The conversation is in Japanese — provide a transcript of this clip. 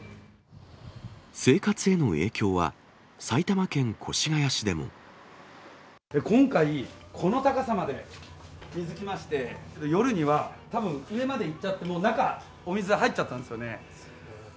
生活への影響は、今回、この高さまで水来まして、夜にはたぶん上までいっちゃって、もう中、お水入っちゃったんですよね。